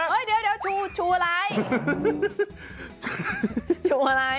เดี๋ยวชูชูอะไรชูอะไร